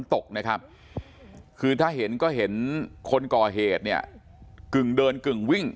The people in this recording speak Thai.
ตกนะครับคือถ้าเห็นก็เห็นคนก่อเหตุเนี่ยกึ่งเดินกึ่งวิ่ง